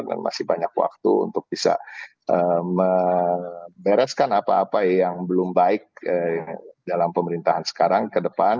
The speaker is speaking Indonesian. dan masih banyak waktu untuk bisa membereskan apa apa yang belum baik dalam pemerintahan sekarang ke depan